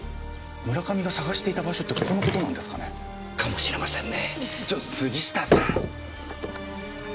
村上が捜していた場所ってここのことなんですかね？かもしれませんね。